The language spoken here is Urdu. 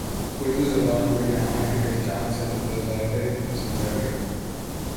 اردو زبان کو یہاں کی پہچان سے متصادم سمجھا گیا